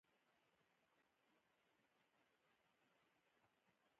دقیقې وړاندوینې له ستونزو سره مخ کوي.